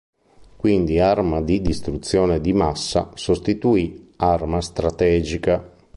Quindi "Arma di distruzione di massa" sostituì "Arma strategica".